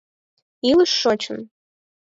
Илыш Шочын!